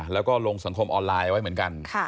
แล้วก็ลงสังคมออนไลน์ไว้เหมือนกัน